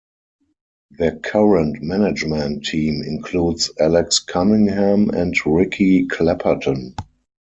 Their current management team includes Alex Cunningham and Ricky Clapperton.